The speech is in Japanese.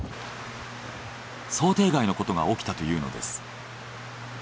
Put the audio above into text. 想定外のことが起きたというのです。